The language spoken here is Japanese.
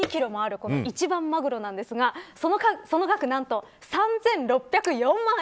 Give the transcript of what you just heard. この一番マグロですがその額、何と３６０４万円。